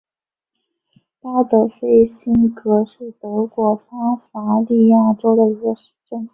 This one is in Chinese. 巴德菲辛格是德国巴伐利亚州的一个市镇。